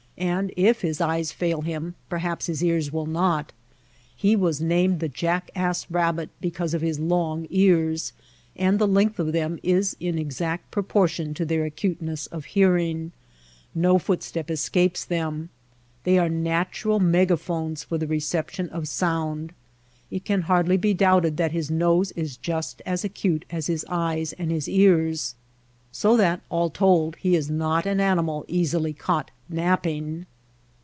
And if his eyes fail him, perhaps his ears will not. He was named the jackass rabbit because of his long ears ; and the length of them is in exact proportion to their acuteness of hearing. No footstep escapes them. They are natural megaphones for the reception of sound. It can hardly be doubted that his nose is just as acute as his eyes and his ears. So that all told he is not an animal easily caught napping.